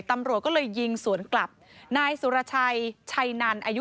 ตำรวจก็เลยยิงสวนกลับนายสุรชัยชัยนันอายุ